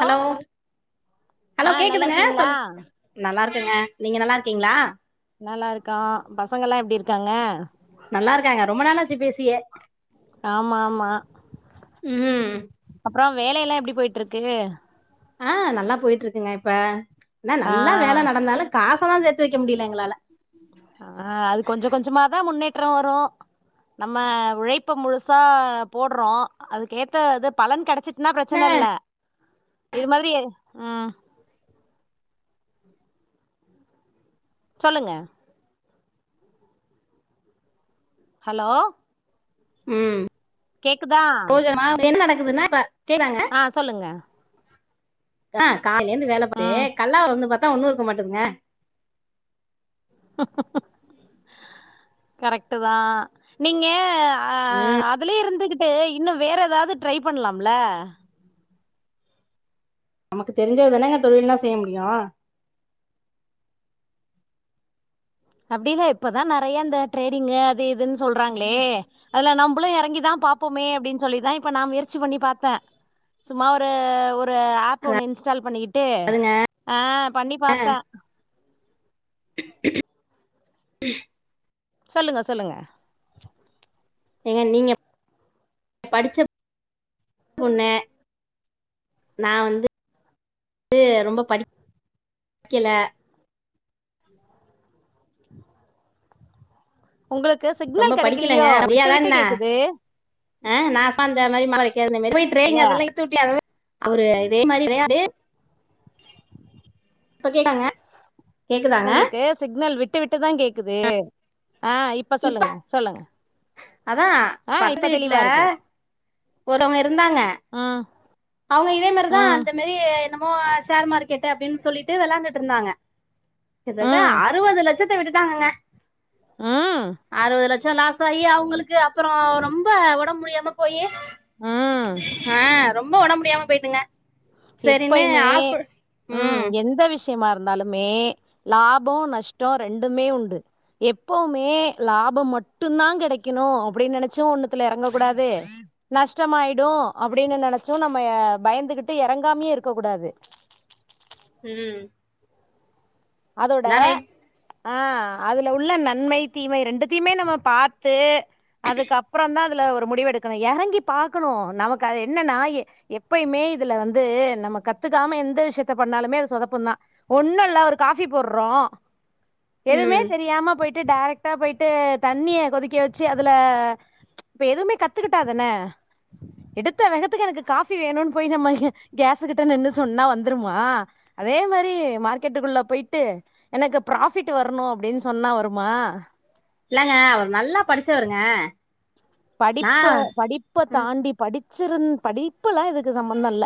Hello ஆ hello நல்லா கேக்குதுங்க இருக்கீங்களா சொல்லுங்க நல்லா இருக்கங்க நீங்க நல்லா இருக்கீங்களா நல்லா இருக்கோ பசங்கல்லாம் எப்டி இருக்காங்க நல்லா இருக்காங்க ரொம்ப நாளாச்சு பேசியே ஆமா ஆமா ம் அப்பறம் வேல எல்லா எப்டி போயிட் இருக்கு ஆ நல்லா போயிட் இருக்குங்க இப்ப என்ன ஆ நல்லா வேல நடந்தாலும் காச தான் சேத்து வைக்க முடியல எங்களால ஆ அது கொஞ்சோ கொஞ்சமாதான் முன்னேற்றம் வரும் நம்ம உழைப்ப முழுசா போடுறோம் அதுக்கேத்த பலன் கெடச்சி ன்னா பிரச்சன இல்ல இது மாரி ம் சொல்லுங்க ஹலோ ம் கேக்குதா ப்புரோஜனமா என்ன நடக்குது என்னா இப்ப கேக்கறாங்க ஆ சொல்லுங்க ஆ கால்லேந்து வேல பாத்து ம் கல்லாவ வந்து பாத்தா ஒன்னு இருக்க மாட்டுதுங்க கரெக்ட்டு தா நீங்க ஆ அதுலயே இருந்துகிட்டு இன்னு வேற ஏதாவது ட்ரை பண்ணலாம்ல நமக்கு தெரிஞ்சது தானங்க தொழில்னா செய்ய முடியோ அப்டில்ல இப்பதா நெறைய இந்த ட்ரேடிங்கே அது இதுன் சொல்றாங்ளே அதுல நம்பளு எறங்கிதா பாப் போமே அப்டின் சொல்லிதா இப்ப நா முயற்சி பண்ணி பாத்த சும்மா ஒரு ஒரு ஒரு ஆப் ஒண்ணு இன்ஸ்டால் பண்ணிக்கிட்டு அதுங்க ஆ பண்ணி பாத்த சொல்லுங்க சொல்லுங்க ஏங்க நீங்க படிச்ச பொண்ணு நா வந்து ரொம்ப படிக்கில உங்களுக்கு சிக்னல் ரொம்ப கெடைக்கலியோ படிக்கலங்க விட்டு முடியாதா விட்டு என்ன கேக்குது ஆ நா சாந்த மாரி மாவு அறைக்காத மேறி இல்ல துட்டூட்ல அத மேரி அவரு இதே மாரி கெடயாது இப்ப கேக்குதாங்க உங்களுக்கு சிக்னல் விட்டு விட்டுதா கேக்குது ஆ இப்ப சொல்லுங்க சொல்லுங்க அதா ஆ பக்கத்து இப்ப வீட்ல தெளிவா இருக்கு ஒருத்தவங்க இருந்தாங்க ஆ அவங்க இதே மாறிதா அந்த மாறி என்னமோ ஷேர் மார்க்கெட்டு அப்டின்னு சொல்லிட்டு வெளாண்டுட்டு இருந்தாங்க கிட்டட்ட ம் அறுவது லட்சத்த விட்டுட்டாங்கங்க ம் அறுவ லட்ச் சம் லாஸ் ஆகி அவங்களுக்கு அப்றோ ரொம்ப ஒடம் முடியாம போயி ம் ஆ ரொம்ப ஒடம்பு முடியாம போய்ட்டுங்க எப்பயுமே ம் எந்த விஷ யமா இருந்தாலுமே லாப நஷ்ட ரெண்டுமே உண்டு எப்பவுமே லாபம் மட்டுந்தா கெடைக்கனு அப்டினு நெனச்சு ஒண்ணுத்துல எறங்க கூடாது நஷ்டமாயிடும் அப்டின்னு நெனச்சு நம்ம பயந்துகிட்டு எறங்காமயு இருக்க கூடாது ம் அதோட எல்லாம் ரைட் ஆ அதுல உள்ள நன்மை தீமை ரெண்டுத்தியுமே நம்ம பாத்து அதுக்கு அப் அப்புறந்தா அதுல ஒரு முடிவு எடுக்கனு எறங்கி பாக்கனு நமக்கு அது என்னென்ன எ எப்பயுமே இதுல வந்து நம்ம கத்துக்காம எந்த விஷயத்த பண்ணாலுமே அது சொதப்பும் தா ஒண்ணுல்ல ஒரு காஃபி போட்றோ எதுவுமே ம் தெரியாம போய்ட் ட்டு டைரக்ட்டா போய்ட்டு தண்ணிய கொதிக்க வச்சு அதுல இப்ப எதுவ்மே கத்துக்கிட்டாதான எடுத்த வேகத்துக்கு எனக்கு காஃபி வேணுன்னு போய் நம்ம கேஸு கிட்டு நின்னு சொன்னா வந்துருமா அதே மாறி மார்க்கெட்டுக்குள்ள போய்ட்டு எனக்கு ப்ராஃபிட் வரனு அப்டினு சொன்னா வருமா இல்லங்க அவர் நல்லா படிச்சவருங்க படிப்ப நான் படிப்ப ம் தாண்டி படிச்சிருந் படிப்புல்லா இதுக்கு சம்மந்த இல்ல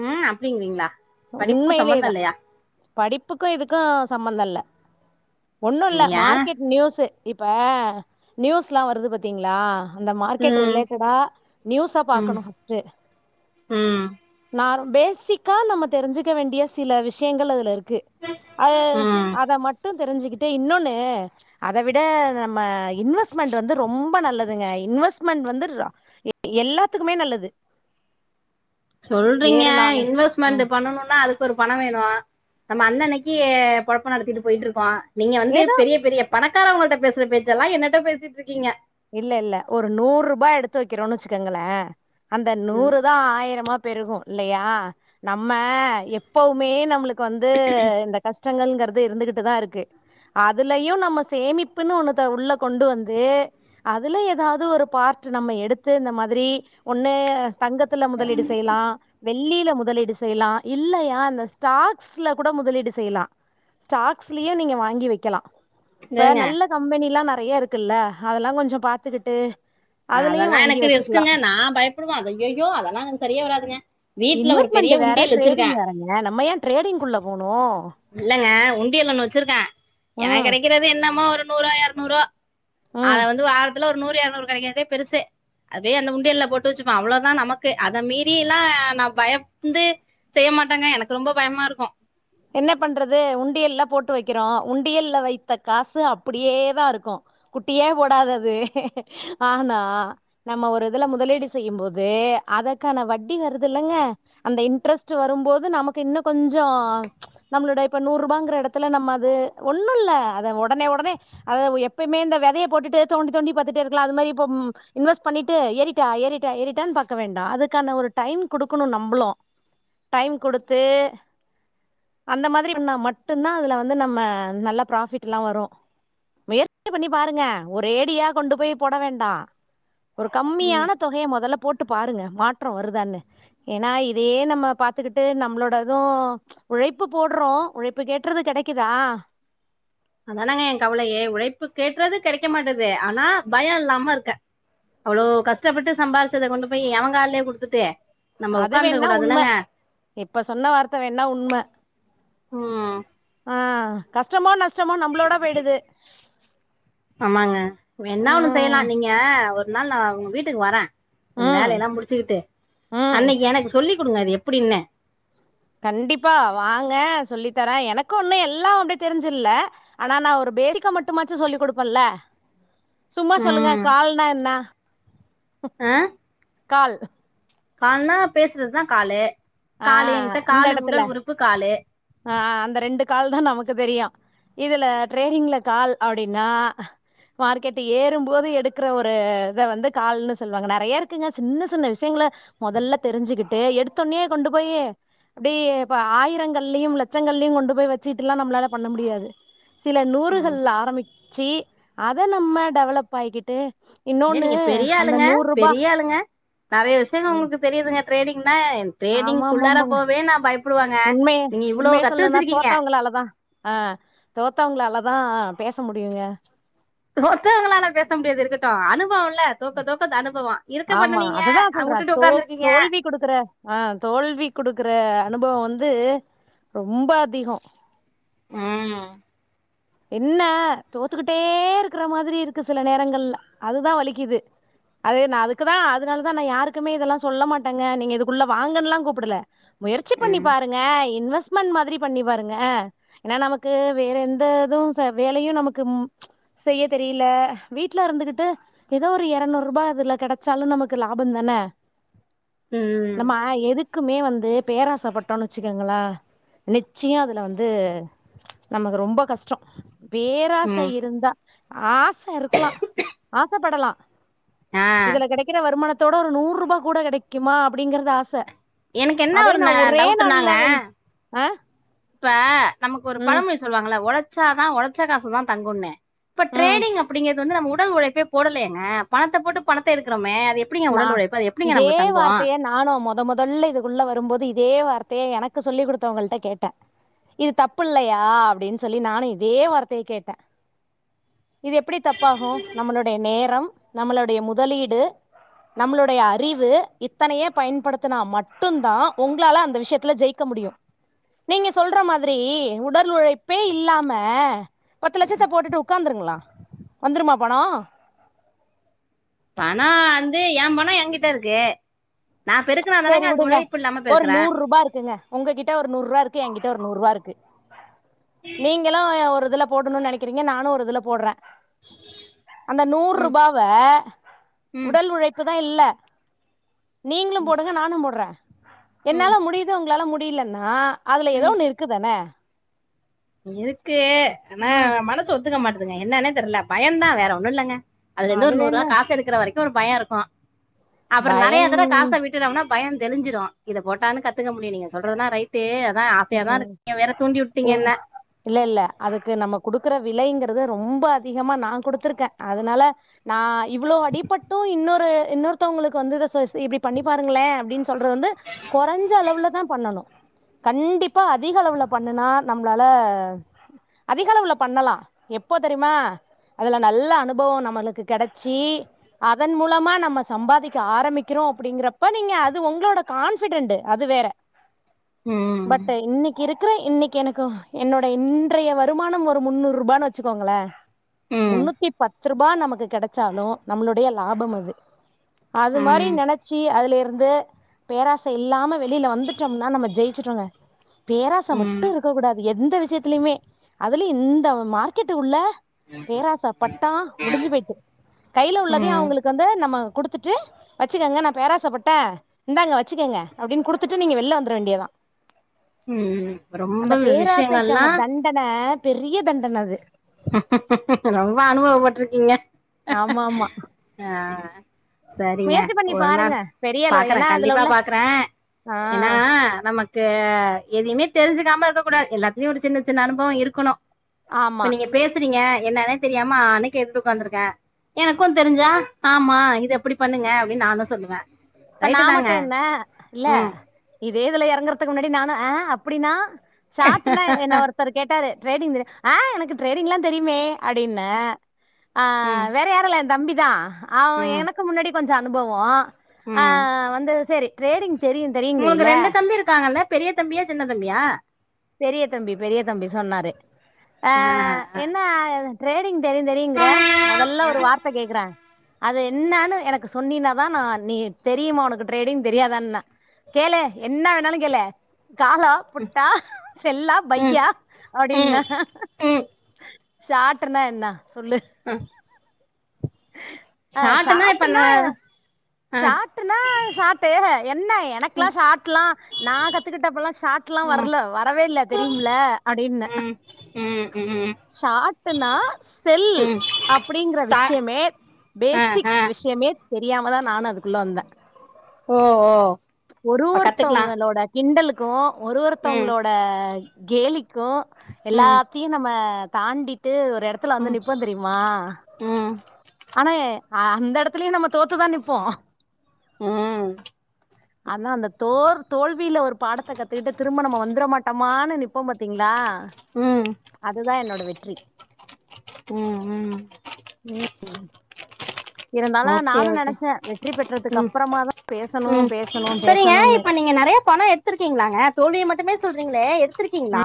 ம் அப்டிங்கறீங்களா உண்மையிலேதா படிப்புக்கு இதுக்கு சம்மந்த இல்ல ஒண்ணு இல்ல ஏ மார்க்கெட் நியூஸு இப்ப நியூஸ்ல்லா வருது பாத்தீங்களா அந்த மார்கெட் ம் ரிலேட்டடா நியூஸா ம் பாக்கனு ஃபர்ஸ்ட்டு ம் நார் பேசிக்கா நம்ம தெரிஞ்சுக்க வேண்டிய சில விஷயங்கள் அதுல இருக் க்கு அ ம் அத மட்டு தெரிஞ்சுகிட்டு இன்னொன்னு அத விட நம்ம இன்வெஸ்ட்மெண்ட் வந்து ரொம்ப நல்லதுங்க இன்வெஸ்ட்மெண்ட் வந்து எல்லாத்துக்குமே நல்லது சொல்றீங்க ஏறுனாலு இன்வெஸ்ட்மெண்ட் ம் பண்ணனுனா அதுக் அதுக்கு ஒரு பண வேணு நம்ம அன்னைக்கு பொழப்பு நடத்திட்டு போயிட்டு இருக்கோ நீங்க வந்து ஏதோ பெரிய பெரிய பணக்காரட்ட பேசுற பேச்செல்லா என்னட்ட பேசிட்டுருக்கீங்க இல்ல இல்ல ஒரு நூறு ரூபா எடுத்து வைக்கிறோன்னு வச்சுக்கோங்களே அந்த ம் நூறு தா ஆயிரமா பெருகும் இல்லையா நம்ம எப்பவுமே நம்மளுக்கு வந்து இந்த கஷ்டங்கள்கறது இருந்துகிட்டுதா இருக்கு அதுலயு நம்ம சேமிப்புன்னு ஒன்னுத்த உள்ள கொண்டு வந்து அதுல ஏதாது ஒரு பார்ட் நம்ம எடுத்து இந்த மாதிரி ஒன்னு தங்கத்துல முதலீடு செய்யலா‌ வெள் வெள்ளில முதலீடு செய்யலா இல்லையா இந்த ஸ்டாக்ஸ்ல கூட முதலீடு செய்யலா ஸ்டாக்ஸ்லயு நீங்க வாங்கி வைக்கலா இப்ப சரிங்க நல்ல கம்பெனில்லா நெறைய இருக்குல்ல அதெல்லா கொஞ்ச பாத்துக்கிட்டு அதுலயு அதெல்லா வாங்கி எனக்கு வச்சுக்கலா ரிஸ்க்குங்க நா பயப்படுவே அய்யய்யோ அதெல்லா எனக்கு சரியா வராதுங்க வீட்டுல ஒரு பெரிய உண்டியல் வச்சிருக்கே ஏ நம்ம ஏ ட்ரேடிங்குள்ள போனு இல்லங்க உண்டியல் ஒன்னு வச்சிருக்க எனக்கு ம் கிடைக்கிறது என்னமோ ஒரு நூறோ எறநூறோ ம் அது வந்து வாரத்துல ஒரு நூறு இரநூறு கெடைக்குறதே பெருசு அதுவே அந்த உண்டியல்ல போட்டு வச்சுப்ப அவ்ளோவுதா நமக்கு அத மீறி எல்லா நா பயந்து செய்ய மாட்டாங்க எனக்கு ரொம்ப பயமா இருக்கு என்ன பண்றது உண்டியல்ல போட்டு வைக்கிறோ உண்டியல்ல வைத்த காசு அப்புடியே தா இருக்கு குட்டியே போடாது அது ஆனா நம்ம ஒரு இதுல முதலீடு செய்யும் போது அதக்கான வட்டி வருதுல்லங்க அந்த இன்ட்ரெஸ்ட்டு வரும் போது நமக்கு இன்னு கொஞ்சோ நம்மளோட இப்ப நூறு ரூபாங்கற எடத்துல நம்ம அது ஒண்ணு இல்ல அத ஒடனே ஒடனே அத எப்பயுமே இந்த வெதையை போட்டுட்டு தோண்டி தோண்டி பத்துட்டே இருக்கலா அது மாரி இப்போ ம் இன்வெஸ்ட்டு பண்ணிட்டு ஏறி ட்டா ஏறிட்டா ஏறிட்டான் பாக்க வேண்டா அதுக்கான ஒரு டைம் குடுக்கணு நம்பளு டைம் குடுத்து அந்த மாதிரி இருந்தா மட்டுதா அதுல வந்து நம்ம நல்லா பராஃபிட்லா வரு முயற்சி பண்ணி பாருங்க ஒரேடியா கொண்டு போய் போட வேண்டா ஒரு ம் கம்மியான தொகைய மொதல்ல போட்டு பாருங்க மாற்றோ வருதான்னு ஏனா இதே நம்ம பாத்துக்கிட்டு நம்மளோட இது உழைப்பு போடுறோ உழைப்பு கேட்றது கெடைக்குதா அதானாங்க எ கவலயே உழைப்பு கேட்றது கெடைக்க மாட்டுது ஆனா பயோ இல்லாம இருக்க அவ்ளோ கஷ்டப்பட்டு சம்பாிச்சத கொண்டு போய் எவங்கால்யோ குடுத்துட்டு நம்ம அது உக்காந்துர வேணா உண்ம கூடாதுல்லங்க இப்ப சொன்ன வார்த்த வேணா உண்ம ம் ஆ கஷ்டமோ நஷ்டமோ நம்பளோட போயிடுது ஆமாங்க வேண்ணா ஒண்ணு செய்லா ம் நீங்க ஒரு நாள் நா உங்க வீட்டுக்கு வர கொஞ்சோ ம் வேலெல்லா முடிச்சுக்கிட்டு ம் அன்னைக்கு எனக்கு சொல்லி குடுங்க இது எப்டின்னு கண்டிப்பா வாங்க சொல்லி தரே எனக்கு ஒன்னு எல்லா அப்டே தெரிஞ்சில்ல ஆனா நா ஒரு பேரிக்க மட்டுமாச்சு சொல்லி குடுப்பல்ல சும்மா சொல்லுங்க ம் கால்னா என்ன ஆ கால் கால்னா பேசுறதுதா காலு ஆ காலு எங்ட்ட இந்த காலு எடத்துல உடல் உறுப்பு காலு ஆ அந்த ரெண்டு கால் தா நமக்கு தெரியு இதுல ட்ரேடிங்ல கால் அப்டினா மார்க்கெட்டு ஏறும்போது எடுக்கற ஒரு இத வந்து கால்ன்னு சொல்லுவாங்க நறைய இருக்குங்க சின்ன சின்ன விஷயங்கள மொதல்ல தெரிஞ்சுக்கிட்டு எடுத்தோன்னயே கொண்டு போயி அப்டியே இப்ப ஆயிரங்கள்லயும் லட்சங்கள்லயு கொண்டு போய் வச்சுட்டுல்லா நம்ளால பண்ண முடியாது சில நூறுகள்ல ஆரம்பிச்சு அத நம்ம டெவலப் ஆயிக்கிட்டு ஏ இன்னொன்னு நீங்க பெரிய அந்த ஆளுங்க நூறு ரூபா பெரிய ஆளுங்க நறைய விஷ்யங்க உங்களுக்கு தெரியுதுங்க ட்ரேடிங்னா ஆமா ட்ரேடிங்க்குள்ளார ஆமாமாங்க போவே நா பயப்டுவங்க நீங்க இவ்ளோ கத்து வச்சிருக்கீங்க க்களாலதா அ தோத்தவுங்களாலதா பேச முடியுங்க தோத்தவுங்களால பேச முடியாது இருக்கட்டு அனுபவோல்ல தோக்க தோக்க அது அனுபவோ ஆமா. இருக்கப்பட்ட நீங்க அததான் அ சொல்றேன். உட்டுட்டு தோ ஒக்காந்துருக்கீங்க தோல்வி குடுக்குற ஆ தோல்வி குடுக்குற அனுபவோ வந்து ரொம்ப அதிகோ ம் என்ன தோத்துக்கிட்டே இருக்கற மாரி இருக்கு சில நேரங்கள்ல அதுதா வலிக்குது அது நா அதுக்குதா அதுனாலதா நா யாருக்குமே இதெல்லா சொல்ல மாட்டங்க நீங்க இதுக்குள்ள வாங்கன்ல்லா கூப்புடுல முயற்சி பண்ணி ம் பாரு ங்க இன்வெஸ்ட்மென்ட் மாதிரி பண்ணி பாருங்க ஏனா நமக்கு வேறெந்த இதுவு ச வேலையு நமக்கு ம் செய்ய தெரில வீட்ல இருந்துகிட்டு எதோ ஒரு எரநூறு ரூபா அதுல கெடைச்சாலு நமக்கு லாபந்தான ம் நம்ம எதுக் க்குமே வந்து பேராசப்பட்டோன்னு வெச்சுக்கோங்களே நிச்சியோ அதுல வந்து நமக்கு ரொம்போ கஷ் டோ பேராச ம் இருந்தா ஆச இருக்கலா ஆசப்படலா ஆ இதுல கெடைக்கிற வருமானத்தோட ஒரு நூர்ரூபா கூட கெடைக்குமா அப்டிங்கறது ஆச எனக்கு என்ன அதே ஒரு நா ந ஒரே டவுட்னாங்க நாள்ல வேண் ஆ இப்ப நமக்கு ஒரு ம் பழமொழி சொல்லுவாங்கள்ல ஒழச்சாதா ஒழச்ச காசுதா தங்குன்னு இப்ப ம் ட்ரேடிங் அப்டிங்கறது வந்து நம்ம உடல் உழைப்பே போடலயேங்க பணத்த போட்டு பணத்த எடுக்கறோமே அது எப் எப்டிங்க நா உடல் உழைப்பு அது எப்டிங்க இதே நமக்கு தங்கு வார்த்தைய நானு மொத மொதல்ல இதுக்குள்ள வரும்போது இதே வார்த்தைய எனக்கு சொல்லி் குடுத்தவங்கள்ட கேட்ட இது தப்புல்லையா அப்டின் சொல்லி நானு இதே வார்த்தைய கேட்ட இது எப்புடி தப்பாகு நம்மளுடைய நேரம் நம்மளுடைய முதலீடு நம்மளுடைய அறிவு இத்தனைய பயன்படுத்துனா மட்டுந்தா உங்களால அந்த விஷ்யத்துல ஜெயிக்க முடியு நீங்க சொல்ற மாதிரி உடல் உழைப்பே இல்லாம பத்து லட்சத்த போட்டுட்டு உக்காந்துருங்களா வந்துருமா பணோ பணோ வந்து எயா பணோ என்கிட்ட இருக்கு நா பெருக் சேரி விடுங்க ஒரு நூர்ரூபா இருக்குங்க உங்க கிட்ட ஒரு நூர்ரூவா இருக்கு எங்கிட்ட ஒரு நூர்ரூவா இருக்கு நீங்களு ஒரு இதுல போடுனுன் நெனைக்றீங்க நானு ஒரு இதுல போட்ற அந்த ம் நூர்ரூபாவ ம் உடல் உழைப் க்கு தா இல்ல நீங்ளு போடுங்க நானு போட்ற ம் என்னால முடி து உங்களால முடிலன்னா அதுல ஏதோ ம் ஒன்னு இருக்குதானே இருக்கு ஆனா ம் மனசு ஒத்துக்க மாட்டுதுங்க என்னானே தெர்ல பயந்தா வேற ஒன்னு இல்லங்க அதுலேந்து ஒரு அது நூர்ரூவா வேணா காசெடுக்குற வரைக்கு ஒரு பயோ இருக்கு அப்பறோ நெறைய பயம் தடவ காச விட் டுடோம்னா பயோ தெளிஞ்சிடு இத போட்டாலு கத்துக்க முடியு நீங்க சொல்றதெல்லா ரைட் ட்டு அதா ஆசையாதா ம் இருக்குங்க நீங்க வேற தூண்டி விட்டீங்க ஏன் என்ன இல்ல இல்ல அதுக்கு நம்ம குடுக்குற விலைங்கறது ரொம்ப அதிகமா நா குடுத்துருக்க அதனால நா இவ்ளோ அடிப்பட்டு இன்னொரு இன்னொருத்தவங்களுக்கு வந்து இத சோ செ இப்டி பண்ணி பாருங்களே அப்டின் சொல்றது வந்து கொறஞ்ச அளவுலதா பண்ணணு கண்டிப்பா அதிக அளவுல பண்ணுனா நம்ளால அதிக அளவுல பண்ணலா எப்போ தெரிமா அதுல நல்ல அனுபவோ நம்மளுக்கு கெடச்சி அதன் மூலமா நம்ம சம்பாதிக்க ஆரம்பிக்கிறோ அப்டிங்கறப்ப நீங்க அது உங்களோட கான்பிடன்ட் அது வேற ம் பட் இன்னைக்கி இருக்கற இன்னைக்கி எனக்கு என்னோட இன்றைய வருமானம் ஒரு முன்னூறு ரூபான்னு வெச்சுக்கோங்களே ம் முன்னூத்தி பத்து ரூபா நமக்கு கெடச்சாலு நம்மளுடைய லாபம் அது அது மாரி ம் நெனச்சி அதுல இருந்து பேராசை இல்லாம வெளியில வந்துட்டோம்னா நம்ம ஜெயிச்சி டோங்க பேராசை மட்டு ம் இருக்கக் கூடாது எந்த விஷயத் திலிமே அதுலயு இந்த மார்க்கெட் உள்ள பேராசப்பட் டோ முடிஞ்சு போயிட்டு கையில உள்ளதயு ம் அவுங்களுக்கு வந்து நம்ம குடுத்துட்டு வச்சுக்கங்க நா பேராசப்பட்ட இந்தாங்க வச்சுக்கங்க அப்டின்னு குடுத்துட்டு நீங்க வெளில வந்துர வேண்டியத்தா ம் ரொம்ப விஷியங்கள்ளா தண்டன பெரிய தண்டன அது ரொம்ப அனுபவபட்டு இருக்கீங்க ஆமாம்மா அ சரிங்க பண்ணி ஒரு நா பாருங்க பெரிய அளவு பாக்குறே ஏன்னா அதுல கண்டிப்பா உள்ள பாக்குறே ஏனா ஆஹ் நமக் த்த எதயுமே தெரிஞ்சுக்காம இருக்க கூடாது எல்லாத்துலயு ஒரு சின்ன சின்ன அனுபவோ இருக்குணு ஆமா இப்ப நீங்க பேசுறீங்க என்னன்னே தெரியாம ஆ னு கேட்டுட்டு உக்காந்துருக்க எனக்கு தெரிஞ்சா ஆமா இது அப்டி பண்ணுங்க அப்டின்னு நானு சொல்லுவ இப்ப நா மட்டு என்ன இல்ல ம் இதே இதுல எறங்கறதுக்கு முன்னாடி நானு ஆ அப்டின்னா ஷார்ட்ன என்னவா அ இருக் ஒருத்தர் கேட்டாரு டிரேடிங் ஆ எனக்கு டிரேடிங்லா தெரியுமே அப்டின்ன ஆ ம் வேற யாருல்ல எ தம்பிதா அவ ம் எனக்கு முன்னாடி கொஞ்சோ அனுபவோ ஆ ம் வந்து சேரி டிரேடிங் தெரியு உங்களுக்கு ரெண்டு தம்பி இருக்காங்கல்ல பெரிய தம்பியா சின்ன தம்பியா பெரிய தம்பி பெரிய தம்பி சொன்னாரு ஆ ஆ என்ன எது டிரேடிங் தெரியு தெரியுங்கற மொதல்ல ஒரு வார்த்த கேக்கற அது என்னான்னு எனக்கு சொன்னீனாதா நா நீ தெரியுமா உனக்கு டிரேடிங் தெரியாதான்னா கேளு என்ன வேணாலு கேளு காளா புட்டா எல்லா ம் பையா அப்டின்ன ம் ம் ஷார்ட்னா என்ன சொல்லு ஆ ஷார்ட்னா இப்ப னு ஷார்ட்னா ஷார்ட்டு என்ன எனக்கெல்லா ம் ஷார்ட்ல்லா நா கத்துக்கிட்டப்ப எல்லா ஷார்ட் எல்லா ம் வரல வரவே இல்ல தெரியும்ல அப்டின்ன ம் ம் ம் ஷார்ட்னா செல் ம் அப்டிங்கிற தா விஷியமே ஆ ஆ பேசிக் விஷியமே தெரியாமதா நானு அதுக்குள்ள வந்த ஓ ஓ ஒரு அப்ப கத்துக்கலா ஒருத்தவங்களோட கிண்டலுக்கு ஒரு ம் ஒருத்தவங்களோட கேலிக்கு எல்லா ம் நம்ம தாண்டிட்டு ஒரு எடத்துல வந்து ம் நிப்போ தெரியு மா ம் ஆனா அந்த எடத் துலயு நம்ம தோத்துதா நிப்போ ம் ஆனா அந்த தோர் தோல்வியில ஒரு பாடத்த கத்துக்கிட்டு திரும்ப நம்ம வந்துர மாட்டோமானு நிப்போ பாத்தீங்களா ம் அதுதா என்னோட வெற்றி ம் ம் இருந்தாலு ஓகே நானு ஓகே நெனச்சே வெற்றி பெற்றதுக்கு ம் அப்றாமா தா பேசணு ம் பேசணு சரிங்க பேசணுனு நீங்க நெறைய பணோ எடுத்திருக்கீங்களாங்க தோல்விய மட்டுமே சொல்றீங்களே எடுத்திருக்கீங்களா